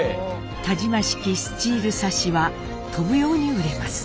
田島式スチールサッシは飛ぶように売れます。